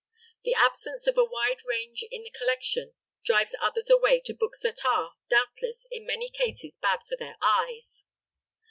The absence of a wide range in the collection drives others away to books that are, doubtless, in many cases bad for their eyes.